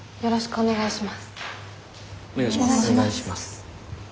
お願いします。